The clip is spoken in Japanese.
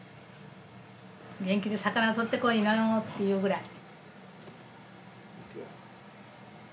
「元気で魚取ってこいよ」って言うぐらい。